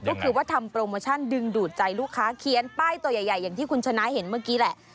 ก็คือว่าทำโปรโมชั่นดึงดูดใจลูกค้าเขียนป้ายตัวใหญ่อย่างที่คุณชนะเห็นเมื่อกี้แหละ